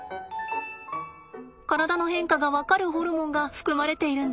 体の変化が分かるホルモンが含まれているんです。